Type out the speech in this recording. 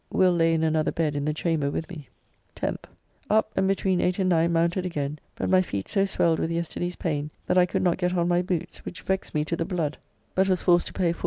Will lay in another bed in the chamber with me. 10th. Up, and between eight and nine mounted again; but my feet so swelled with yesterday's pain, that I could not get on my boots, which vexed me to the blood, but was forced to pay 4s.